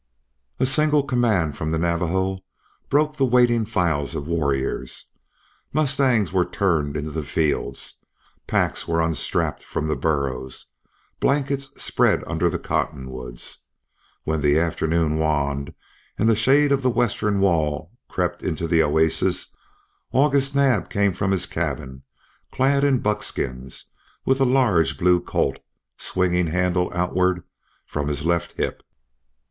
A single command from the Navajo broke the waiting files of warriors. Mustangs were turned into the fields, packs were unstrapped from the burros, blankets spread under the cottonwoods. When the afternoon waned and the shade from the western wall crept into the oasis, August Naab came from his cabin clad in buckskins, with a large blue Colt swinging handle outward from his left hip.